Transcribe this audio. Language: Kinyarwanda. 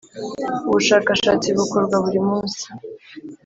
Ubushakashatsi bukorwa burimunsi.